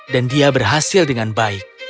dan dia berhasil dengan baik